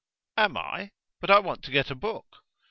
"Am I! But I want to get a book."